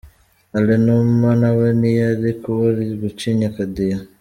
Alain Numa nawe ntiyari kubura gucinya akadiho .